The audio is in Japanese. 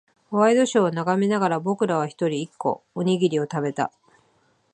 ワイドショーを眺めながら、僕らは一人、一個、おにぎりを食べた。